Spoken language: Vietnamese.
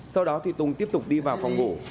sau đó thì tùng tiếp tục đi bắt